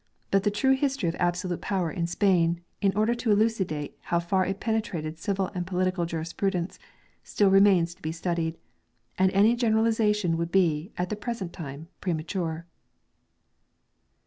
But the true history of absolute power in Spain, in order to elucidate how far it penetrated civil and political jurisprudence, still remains to be studied ; and any generalization would be, at the present time, premature.